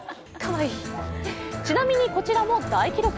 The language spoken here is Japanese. ちなみに、こちらも大記録。